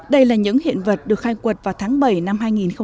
đây là những hiện vật được khai quật vào tháng bảy năm hai nghìn một mươi chín